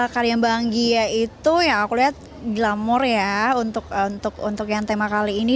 karya mbak anggia itu yang aku lihat glamor ya untuk yang tema kali ini